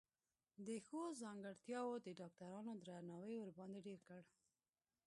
دې ښو ځانګرتياوو د ډاکټرانو درناوی ورباندې ډېر کړ.